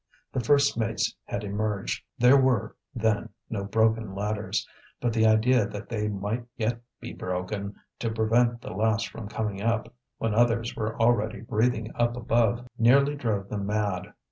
The first mates had emerged; there were, then, no broken ladders; but the idea that they might yet be broken to prevent the last from coming up, when others were already breathing up above, nearly drove them mad.